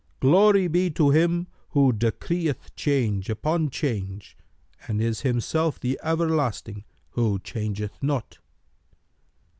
Glory be to Him who decreeth change upon change and is Himself the Everlasting who changeth not!"